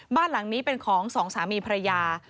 บ้านหลังนี้เป็นของสองสามีภรรยา